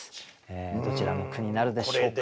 どちらの句になるでしょうか。